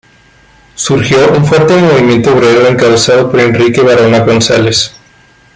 Surgió un fuerte movimiento obrero encabezado por Enrique Varona González.